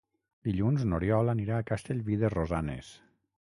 Dilluns n'Oriol anirà a Castellví de Rosanes.